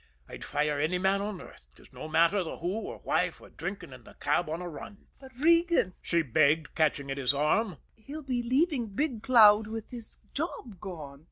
"I'd fire any man on earth, 'tis no matter the who or why, for drinking in the cab on a run." "But, Regan," she begged, catching at his arm, "he'll be leaving Big Cloud with his job gone."